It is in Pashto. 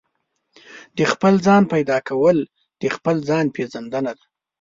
د خپل ځان پيدا کول د خپل ځان پېژندنه ده.